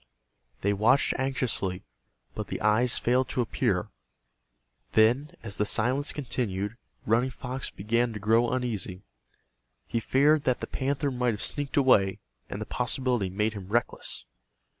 They watched anxiously, but the eyes failed to appear. Then, as the silence continued, Running Fox began to grow uneasy. He feared that the panther might have sneaked away, and the possibility made him reckless.